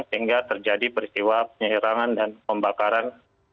sehingga terjadi peristiwa penyerangan dan pembakaran